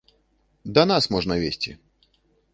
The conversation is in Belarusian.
Да нас можна везці.